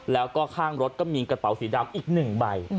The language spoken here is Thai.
แล้วก็ข้างรถก็มีกระเป๋าสีดำอีก๑ใบ